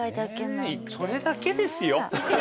それだけですよ。